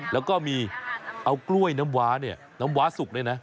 แล้วก็มีเอากล้วยน้ำว้าเนี่ยน้ำว้าสุกด้วยนะ